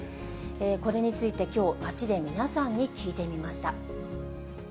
これについてきょう、街で皆さんに聞いてみました。